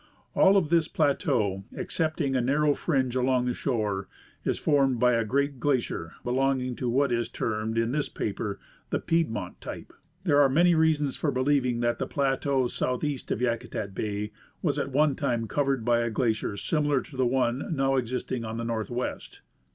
All of this plateau, excepting a narrow fringe along the shore, is formed by a great glacier, belonging to what is termed in this paper the Piedmont ty]3e. There are many reasons for believing that the plateau southeast of Yakutat bay was at one time covered by a glacier similar to the one now ex isting on the northwest.